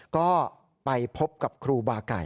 ก็ไปพบกับครูบาไก่